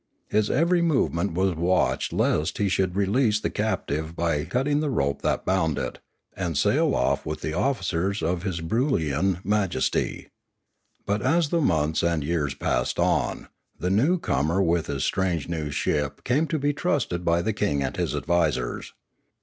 His every movement was watched lest he should release the captive by cutting the rope that bound it, and sail off with the officers of his Broolyian majesty. But as the months and years passed on, the newcomer with his strange new ship 49° Limanora came to be trusted by the king and his advisers.